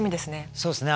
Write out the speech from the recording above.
そうですね